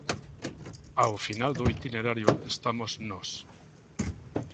Ao final do itinerario estamos nós.